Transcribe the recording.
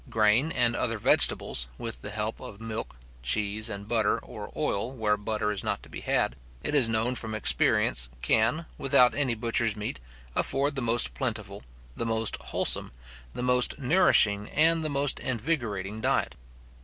Grain and other vegetables, with the help of milk, cheese, and butter, or oil, where butter is not to be had, it is known from experience, can, without any butcher's meat, afford the most plentiful, the most wholesome, the most nourishing, and the most invigorating diet.